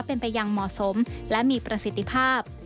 เป็นไปอย่างเหมาะสมและมีประสิทธิภาพ